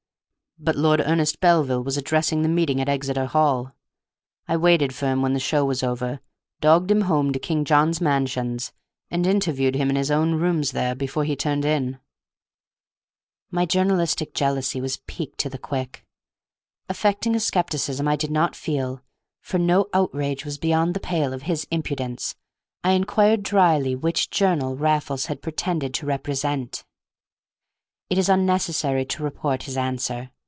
But Lord Ernest Belville was addressing the meeting at Exeter Hall; I waited for him when the show was over, dogged him home to King John's Mansions, and interviewed him in his own rooms there before he turned in." My journalistic jealousy was piqued to the quick. Affecting a scepticism I did not feel (for no outrage was beyond the pale of his impudence), I inquired dryly which journal Raffles had pretended to represent. It is unnecessary to report his answer.